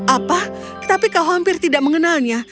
apa tetapi kau hampir tidak mengenalnya